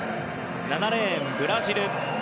７レーン、ブラジル。